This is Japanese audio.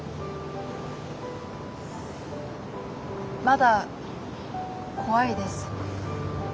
まだ怖いです。